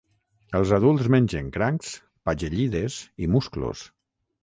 Els adults mengen crancs, pagellides i musclos.